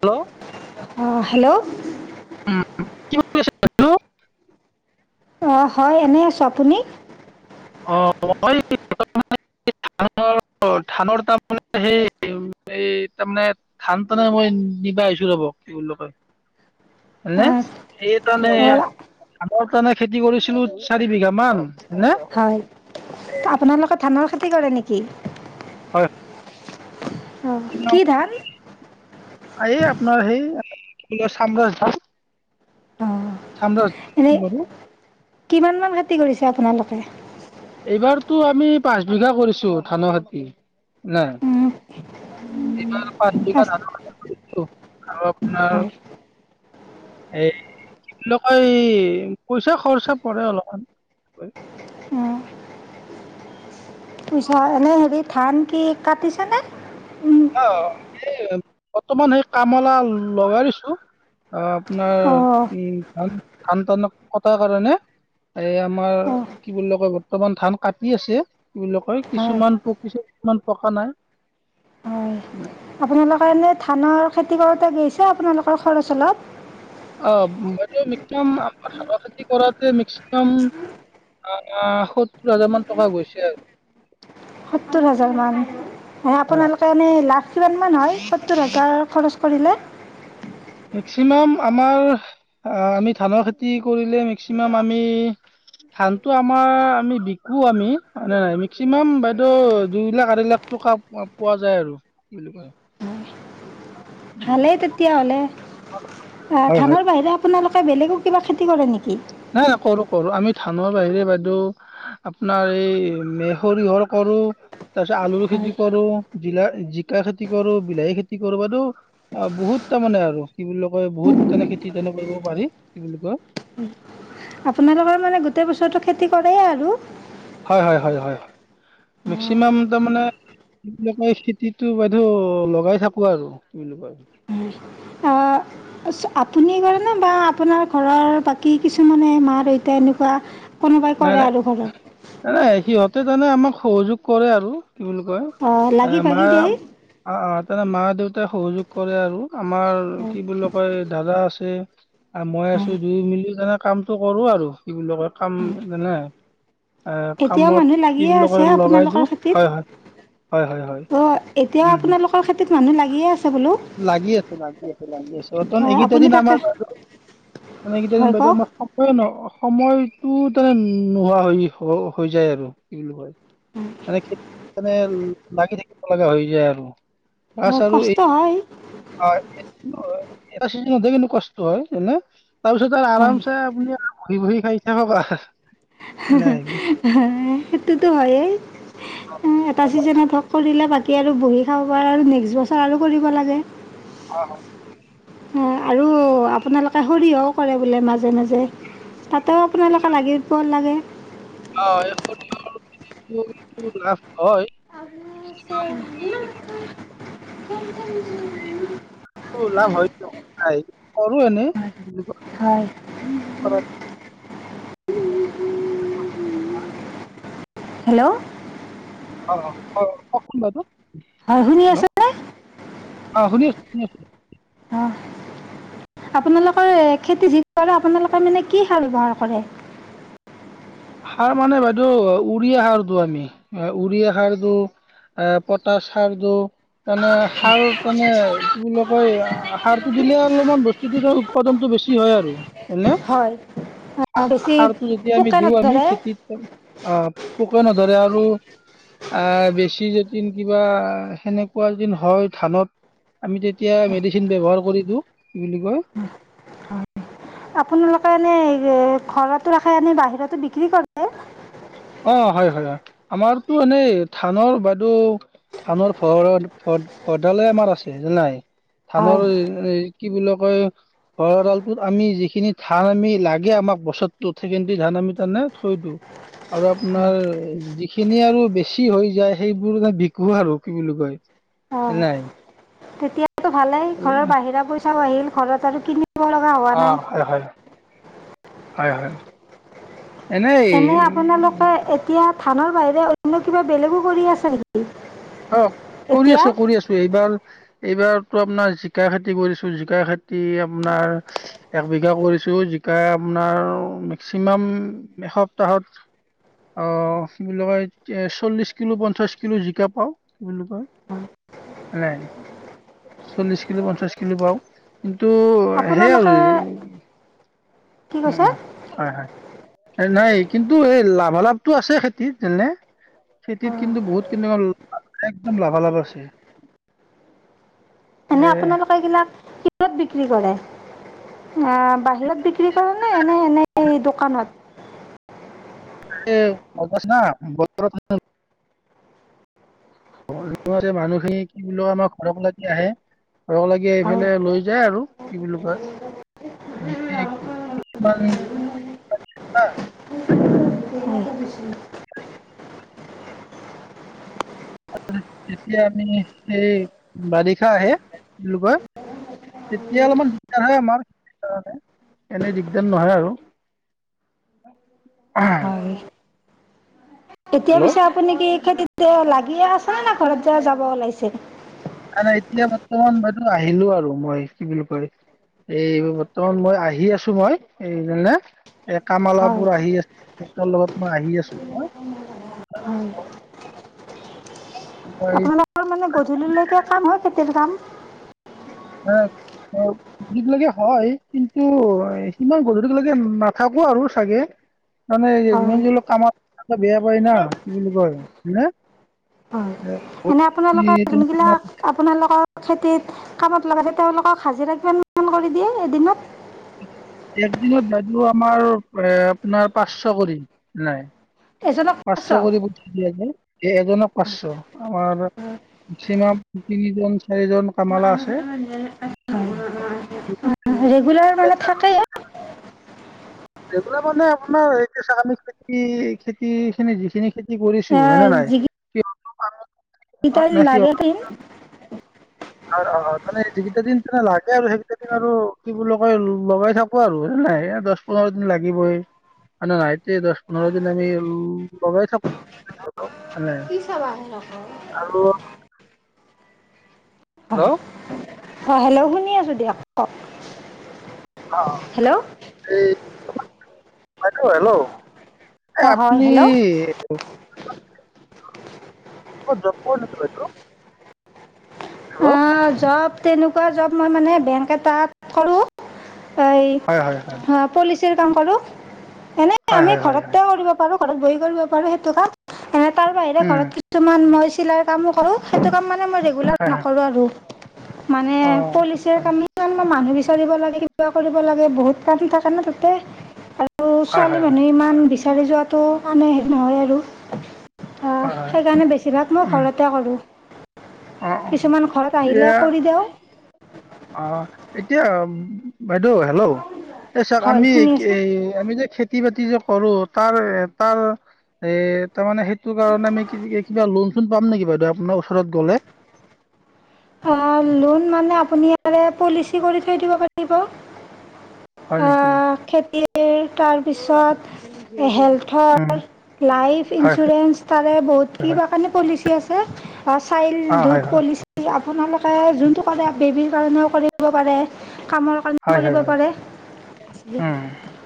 Hello? অ', hello? কি কৰি আছা [unintelligible] অ', হয় এনেই আছো। আপুনি? অ', মই [unintelligible] [inaudible] ধানৰ ধানৰ তাৰমানে সেই এই তাৰমানে ধান তানা মই নিবা আহিছোঁ ৰ'ব, কি বুলি কয় অঁ [unintelligible] তাৰমানে ধানৰ তাৰমানে খেতি কৰিছিলো চাৰি বিঘা মান, হয়নে? হয়, আপোনালোকে ধানৰ খেতি কৰে নেকি? হয়। অ', কি ধান? এই আপোনাৰ সেই ফুলৰ চাম গাছ ধান। অঁ [inaudible] এনেই বাৰু কিমান মান খেতি কৰিছে আপোনালোকে? এইবাৰতো আমি পাঁচ বিঘা কৰিছোঁ ধানৰ খেতি, না। [inaudible] এই এনেকৈ এই পইচা খৰচা পৰে অলপমান। পিছা এনেই হেৰি ধান কি কাটিছে নে উম। অঁ, এই বৰ্তমান সেই কামলা লগাই দিছো। অঁ, আপোনাৰ অঁ উম ধান ধান টান কটাৰ কাৰণে। এই আমাৰ অঁ কি বুলি কয় বৰ্তমান ধান কাটি আছে, কি বুলি কয় হয় কিছুমান পকিছে কিছুমান পকা নাই। হয় উম। আপোনালোকে এনেই ধানৰ খেতি কৰোঁতে গৈছে আপোনালোকৰ খৰচ অলপ। [inaudible] অঁ, সত্তৰ হাজাৰ মান টকা গৈছে আৰু। সত্তৰ হাজাৰ মান আপোনালোক তাৰমানে লাভ কিমানমান হয় সত্তৰ হাজাৰ খৰচ কৰিলে? মেক্সিমাম আমাৰ আমি ধানৰ খেতি কৰিলে মেক্সিমাম আমি ধানটো আমাৰ আমি বিকো আমি মানে মেক্সিমাম বাইদেউ দুই লাখ আঢ়ৈ লাখ টকা মই পোৱা যায় আৰু বুলি কয়। উম ভালেই তেতিয়াহ'লে, হয় হয়। ধানৰ বাহিৰে আপোনালোকে বেলেগো কিবা খেতি কৰে নেকি? নাই নাই কৰো কৰো আমি ধানৰ বাহিৰে বাইদেউ আপোনাৰ এই মে সৰিয়হৰ কৰো তাৰপিছত আলুৰ হয় খেতি কৰো। জিলা জিকা খেতি কৰো, বিলাহী খেতি কৰো বাৰু। অঁ বহুত তাৰমানানে আৰু কি বুলি কয় বহুত তোনে খেতি তেনে কৰিব পাৰি কি বুলি কয়। আপোনালোকৰ মানে গোটেই বছৰটো খেতি কৰেই আৰু। হয় হয় হয় হয় হয়, মেক্সিমাম তা মানে কি বুলি কয় খেতিতটো বাইদেউ লগাই থাকো আৰু তু বুলি বুলি কয়। অঁ। আপুনি কৰে নে বা আপোনাৰ ঘৰৰ বাকী কিছুমানে মা দেউতা এনেকুৱা কোনোবাই কৰে আৰু ঘৰত। এ নাই সিহঁতে তানে আমাক সহযোগ কৰে আৰু কি বুলি কয় অঁ লাগি ভাগি আমাৰ। দিয়ে তে মা দেউতাই সহযোগ কৰে আৰু আমাৰ কি বুলি কয় দাদা আছে। আৰু মই আছো হয় দুই মিলি তেনে কামতটো কৰো আৰু, কি বুলি কয় কাম যেনে। এ এতিয়াও কামত মানুহ কি লাগিয়ে বুলি কূ আছে লগাই আপোনালোকৰ দিওঁ খেতিত হয় হয়। হয় হয় হয়, উম। অ, খেতিত মানুহ লাগি আ লাগি আছে লাগি আছে লাগি আছে, বৰ্তমান এইকেইটা আপুনি দিন তাকে আমাৰ‌ বাৰু মানে কেতিয়া যেন হয় বাইদেউ কওক মই খ হয় ন, সময়টো তানে নোহোৱা হৈ হৈ যায় আৰু কি বুলি কয়। মানে খেতি মানে লাগি থাকিব লগা হৈ যায় আৰু। অ, বাছ আৰু ‌কষ্ট এই হয়। হয়, এটা চি কিন্ত কষ্ট হয় এনেই। তাৰপিছত হয় আৰামছে আপুনি আৰু ঘহি বহি খাই থাকিব পাৰা। হাহ হাহ, হাহ সেইটোতো হয়ে। এটা ছিজনত হওক কৰিলে বাকী আৰু বহি খাব পৰা আৰু নেক্সট বছৰ আৰু কৰিব লাগে। হয় হয়। আৰু আপোনালোকে সৰিয়হ কৰে বোলে মাজে মাজে তাতে আপোনালোকে লাগিব লাগে। অহ, এক সপ্তাহৰটো লাভ হয়। [unintelligible] অহ লাভ হয়‌ নহ ওলাই, কৰোঁ এনেই। হয়। হয় [inaudible] [unintelligible] হেল্ল' অহ অহ হয়‌, কওকচোন বাইদেউ, হয় শুনি হেল্ল' আছেনে অহ শুনি আছো, শুনি আছো‌ অহ, আপোনালোকৰ খেতি যিটো কৰে আপোনালোকে মানে কি সাৰ ব্যৱহাৰ কৰে। সাৰ মানে বাইদেউ উৰিয়া সাৰ দিওঁ আমি, উৰিয়া সাৰ দিওঁ এহ পটাশ সাৰ দিও। [unintelligible] তানে সাৰো তানে, কি বুলি কয় আহ সাৰটো দিলে অলপমান বস্তুটো উৎপাদনটো বেছি হয় আৰু হয়নে, হয় বেছি সাৰটো যদি আমি পোকে দিওঁ আমি নধৰে খেতি অহ, পোকে নধৰে আৰু আহ বেছি যেতিন কিবা সেনেকুৱা যেন হয় ধানত আমি তেতিয়া মেডিচিন ব্যৱহাৰ কৰি দিওঁ, কি বুলি কয়। আপোনালোকে এনেই ঘৰতো ৰাখে এনে, বাহিৰতো বিক্ৰী কৰে। অহ, হয় হয় হয়। আমাৰতো এনেই থানৰ বাইদেউ ধানৰ ভৰত ভৰডালে আমাৰ আছে নাই হয় ধানৰ এই এই কি বুলি কয় ঘৰডালটোত আমি যিখিনি ধান আমি লাগে আমাক বছৰটোত, সেইখিনি ধান আমি তাৰমানে থৈ দিওঁ। আৰু আপোনাৰ যিখিনি আৰু বেছি হৈ যায়, সেইবোৰ বিকো আৰু কি বুলি কয়। অহ নাই তেতিয়াতো ভালেই, এ ঘৰৰ বাহিৰা পইচাও আহিল ঘৰত আৰু কিনি আহ হয় হয়, হয় হয়। এনে আপোনালোকে এনেই এতিয়া ধানৰ বাহিৰে অন্য কিবা বেলেগো কৰি আছে নেকি? অহ কৰি এতিয়া আছো কৰি আছো। এইবাৰ এইবাৰতো আপোনাৰ জিকা খেতি কৰিছো জিকা খেতি আপোনাৰ এক বিঘা কৰিছো জিকা আপোনাৰ মেক্সিমাম এসপ্তাহত অ কি বুলি কয়, চল্লিছ কিলো পঞ্চাছ কিলো জিকা পাওঁ। কি বুলি কয়, চল্লিশ কিলো পঞ্চাশ কিলো পাওঁ। কিন্তু সেই আৰু আপোনালোকে এনে, কি কৈছে উহ হয় হয়, নাই কিন্তু এই লাভালাভটো আছে খেতিত যেনে খেতিত কিন্তু বহুত কিন্তু একদম লাভালাভ আছে। এনে এ আপোনালোকে এগিলাক কত বিক্ৰী কৰে, বাহিৰত বিক্ৰী কৰে নে এনে এনে এই দোকানত। এই অৱস্থা বতৰত [unintelligible] [unintelligible] [inaudible] মানুহখিনি কিন্তু আমাৰ ঘৰ ফালে দি আহে। লগ লাগি হয় এইফালে লৈ যায় আৰু কি বুলি কয়। মানে কিছুমান তেতিয়া আমি সেই বাৰিষা আহে কি বুলি কয় তেতিয়া অলপমান দিগদাৰ হয় আমাৰ খেতিৰ কাৰণে। এনে দিগদাৰ নহয় আৰু। হয় এতিয়া হেল্ল' পিছে আপুনি কি খেতি লাগিয়েই আছেনে নে ঘৰত যে যাব ওলাইছে? ন নাই এতিয়া বৰ্তমান বাইদেউ আহিলোঁ আৰু মই কি বুলি কয় এই বৰ্তমান মই আহি আছোঁ মই। এ কাম হয় ৱালাবোৰ আহি আছে সিহঁতৰ লগত মই আহি আছোঁ মই। হয় হয়। আপোনালোকৰ মানে গধূলিলৈকে কাম হয় খেতিৰ কাম? [inaudible] গধূলি লৈকে হয় কিন্তু সিমান গধূলি লৈকে নাথাকোঁ আৰু চাগে। তাৰমানে হয় যিমান হ'লেও কামত বেয়া পায় না কি বুলি কয় হয় এনে এই আপোনালোকৰ জোন তোমাৰ গিলাক আপোনালোকৰ খেতিত কামত লগাতে তেওঁলোকক হাজিৰা কিমান কৰি দিয়ে এদিনত? এক দিনত বাইদেউ আমাৰ এ আপোনাৰ পাঁচশ কৰি লয়। পাঁচশ কৰি পঠিয়াই দিয়া যায় এই এজনক পাঁচশ আমাৰ তিনিজন চাৰিজন কাম ৱালা আছে। ৰেগুলাৰ মানে থাকেই। [inaudible] খেতি কৰিছো হয়নে নাই সিহঁত- নে [inaudible] আৰু অ তানে যিকেইটা দিন তে লাগে আৰু সেইকেইটা দিন আৰু কি বুলি কয় লগাই থাকো আৰু নাই দহ পোন্ধৰ দিন লাগিব। [inaudible] হয় নে নহয় এইটোৱেই দহ পোন্ধৰ দিন আমি লগাই থাকো। এনে [inaudible] আৰু হেল্ল' হয় হেল্ল' শুনি আছোঁ দিয়ক কওক। হেল্ল' [inaudible] এই অঁ হয় আপুনি হেল্ল' জব কৰে নেকি বাইদেউ? হেল্ল'। জব তেনেকুৱা জব মই মানে বেংক এটাত কৰোঁ এই। হয় হয় হয়। পলিচিৰ কাম কৰোঁ এনে হয় আমি হয় হয় হয় ঘৰতে কৰিব পাৰোঁ ঘৰত বহ কৰিব পাৰোঁ সেইটো কাম। এ তাৰ বাহিৰে উম ঘৰত কিছুমান মই চিলাই কামো কৰো সেইটো কাম মানে মই ৰেগুলাৰ হয় হয় নকৰোঁ আৰু। মানে অ পলিচ কাম মানুহ বিচাৰিব লাগে কিবা কৰিব লাগে বহুত কাম থাকে ন তাতে। আৰু হয় ছোৱালী হয় হয় মানুহে ইমান বিচাৰি যোৱটো আনে শেষ নহয় আৰু। হয় হয় সেইকাৰণে বেছিভাগ মই উম ঘৰতে কৰোঁ কিছুমান ঘৰত আহিলে এয়া কৰি দিওঁ অ', এতিয়া বাইদেউ হেল্ল' এই চাওঁক হয় আমি শুনি আছে এই আমি যে খেতি খেতি বাতি যে কৰোঁ তাৰ তাৰ এ তাৰমানে সেইটো কাৰণে আমি কিবা লোন চোন পাম নেকি বাইদেউ আপোনাৰ ওচৰত গ'লে। অ', লোন মানে আপুনি ইয়াৰে পলিচি কৰি থৈ দিব পাৰিব। হয় নেকি? খেতিৰ তাৰপিছত উম, হেল্থৰ লাইফ হয় হয়। ইঞ্চুৰেঞ্চ তাৰে বহুত কিবা অ' হয় হয়, [inaudible] আপোনালোকে যোনটো কৰে বেবিৰ কাৰণেও কৰিব পাৰে, কামৰ কাৰণেও হয় কৰিব হয় হয়, পাৰে- ৰে উম,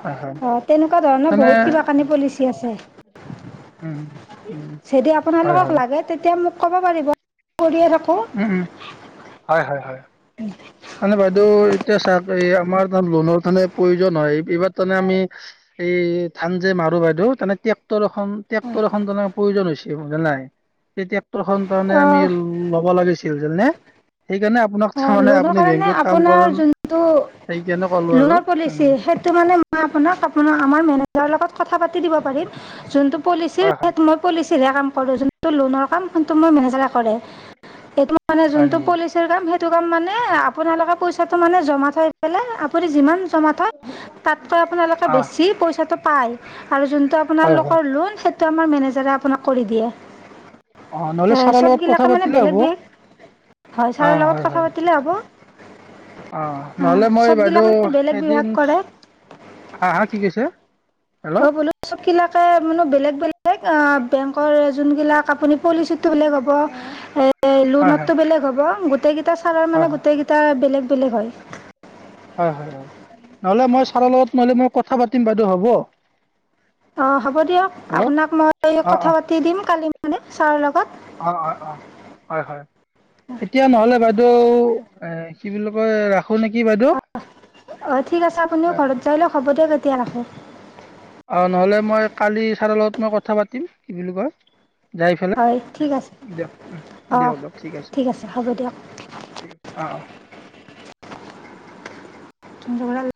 হয় হয়। অ', তেনেকুৱা ধৰণৰ মানে বহুত কিবা কানি পলিচি আছে। উম, উম, যদি হয় আপোনালোকক হয়, লাগে তেতিয়া মোক কব পাৰিব, মই কৰিয়ে থাকো। উম- উম। হয়, হয়, হয়। উম। [unintelligible] মানে বাইদেউ এতিয়া চাক আমাৰ লোনৰ কাৰণে প্ৰয়োজন হয়, এইবাৰ তাৰ মানে আমি এই ধান যে মাৰো বাইদেউে টেক্টৰ এখন টেক্টৰ এখন তেনেক প্ৰয়োজন হৈছে বুজা নাই। তেতিয়া টেক্টৰখন তাৰমানে আমি ল'ব লাগিছিল জানেনে, সেইকাৰণে আপোনাক তাৰমানে লোনৰ আপুনি কাৰণে বেংকত কাম আপোনাৰ কৰে ন, যোনটো সেইকাৰণে ক'লো আৰু লোনৰ পলিচি উম, সেইটো মানে মই আপোনাক আপোনাৰ আমাৰ মেনেজাৰৰ লগত কথা পাতি দিব পাৰিম। যোনটো পলিচিৰ, হয় হয়, মই পলিচিৰহে কাম কৰোঁ, যোনটো লোনৰ কাম সেইটো মোৰ মেনেজাৰেহে কৰে। সেইটো মানে হয় যোনটো নেকি? পলিচিৰ দাম সেই সেইটো কাম মানে আপোনালোকে পইচাটো মানে জমা থৈ পেলাই, আপুনি যিমান জমা থয়, তাতকৈ আপোনালোকে অ' বেছি পইচাটো পায়। আৰু যোনটো হয় হয়। আপোনালোকৰ লোন, সেইটো আমাৰ মেনেজাৰে আপোনাক কৰি দিয়ে। অ' নহ'লে এহ ছাৰৰ লগত কথা সবগিলাকে মানে পাতিলে বেলেগ হ'ব বেগ- হয় ছাৰৰ অ' লগত হয় কথা হয় পাতিলে হ'ব। অ', নহ'লে মই চবগিলাক বাইদেউ মানে বেলেগ বিভাগ এদিন কৰে হা, হা, কি কৈছে? হেল্ল' [unintelligible] বোলো সবগিলাকে বোলো বেলেগ বেলেগ অহ বেংকৰ যোনবিলাক আপুনি পলিচিটো বেলেগ হ'ব। এ হয় হয় লোনৰটো বেলেগ হ'ব। গোটেইকেইটা ছাৰৰ হয় মানে হয় গোটেইকেইটা বেলেগ বেলেগ হয়। হয় হয় হয়। নহ'লে মই ছাৰৰ লগত নহ'লে মই কথা পাতিম বাইদেউ, হ'ব? অ', হ'ব দিয়ক। হেল্ল' আপোনাক মই অ' কথা অ' পাতি দিম কালি মানে ছাৰৰ লগত। অ', অ', অ', হয় হয়। এতিয়া নহ'লে বাইদেউ এহ', কি বুলি কয়, ৰা হ'ল নেকি বাইদেউ? অ', অ'। ঠিক আছে আপুনিও ঘৰত যাই লওঁক। হ'ব দিয়ক এতিয়া ৰাখো। অ', নহ'লে মই কালি চাৰৰ লগত মই কথা পাতিম। কি বুলি কয় যায় ফেলে, হয় ঠিক আছে দিয়ক, অঁ দিয়ক- দিয়ক, ঠিক আছে। অ', অহ। [unintelligible]